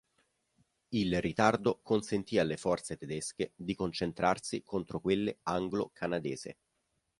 Il ritardo consentì alle forze tedesche di concentrarsi contro quelle anglo-canadese.